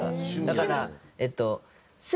だからえっと。